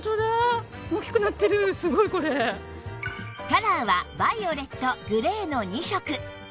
カラーはバイオレットグレーの２色